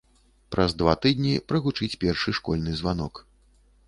Праз два тыдні прагучыць першы школьны званок.